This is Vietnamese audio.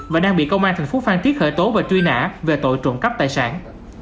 và đang bị công an thành phố phan thiết khởi tố và truy nã về tội trộm cắp tài sản